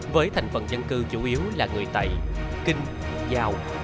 với thành phần dân cư chủ yếu là người tày kinh giao